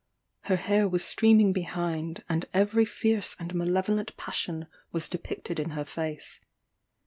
Her hair was streaming behind, and every fierce and malevolent passion was depicted in her face.